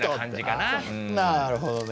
なるほどね。